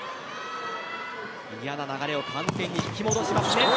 嫌な流れを完全に引き戻します。